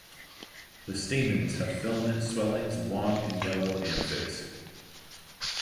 The stamens have filament swellings long and yellow anthers.